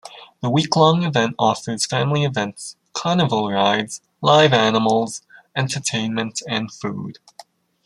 The week long event offers family events, carnival rides, live animals, entertainment and food.